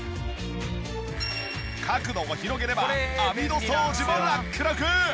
角度を広げれば網戸掃除もラックラク！